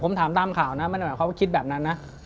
ผมถามตามข่าวนะไม่ได้หมายความว่าคิดแบบนั้นนะ